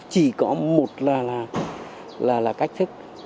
chỉ có một là cách thức